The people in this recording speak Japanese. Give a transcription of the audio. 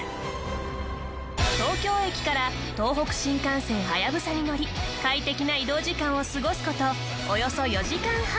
東京駅から東北新幹線はやぶさに乗り快適な移動時間を過ごす事およそ４時間半。